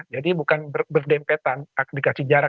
jadi bukan berdempetan dikasih jarak